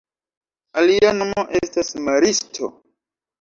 Alia nomo estas maristo.